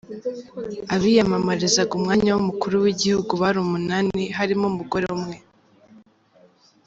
Abiyamamarizaga umwanya w’umukuru w’igihugu bari umunani, harimo umugore umwe.